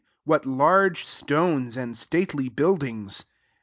what large stones, and stately buildings!"